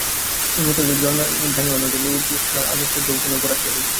উন্মুক্ত জানালা-দরজা দিয়া জ্যোৎস্নার আলো শুভ্র বিছানার উপর আসিয়া পড়িয়াছে।